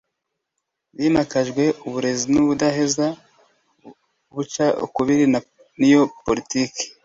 himakajwe uburezi budaheza buca ukubiri n'iyo politiki